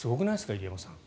入山さん。